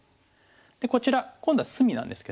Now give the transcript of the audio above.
でこちら今度は隅なんですけども。